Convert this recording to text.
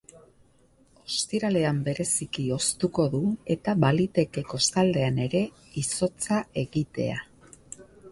Ostiralean bereziki hoztuko du, eta baliteke kostaldean ere izotza egitea.